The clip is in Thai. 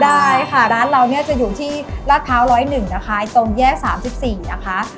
ได้ค่ะร้านเราเนี่ยจะอยู่ที่ลาดพร้าว๑๐๑นะคะตรงแยก๓๔นะคะ